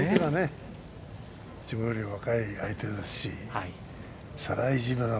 自分より若い相手ですしね。